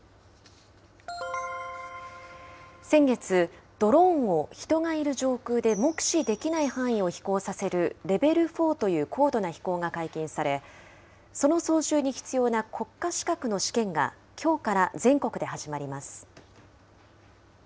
先月、ドローンを人がいる上空で目視できない範囲を飛行させる、レベル４という高度な飛行が解禁され、その操縦に必要な国家資格の試験がきょうから全国で始まります。